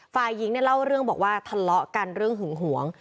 ฝ่ายหญิงเนี่ยเล่าเรื่องบอกว่าทะเลาะกันเรื่องหึงหวง